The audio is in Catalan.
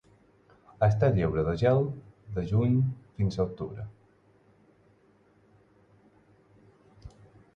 Està lliure de gel de juny fins octubre.